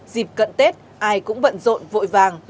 dịp cận tết ai cũng bận rộn vội vàng